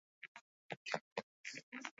Egindakoaz eta ateratako ondorioez mintzatu zaigu.